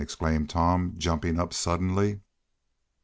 exclaimed Tom, jumping up suddenly.